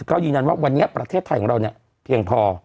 ก็ยืนยันว่าวันนี้ประเทศไทยของเราเนี่ยเพียงพอ